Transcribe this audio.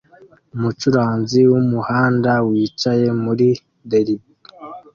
Umucuranzi wumuhanda wicaye muri derby